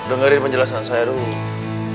dengerin penjelasan saya dulu